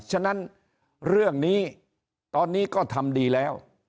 ฉะนั้นเรื่องนี้ตอนนี้ก็ทำดีแล้ว